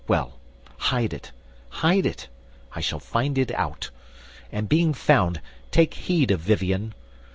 Well, hide it, hide it; I shall find it out; And being found take heed of Vivien.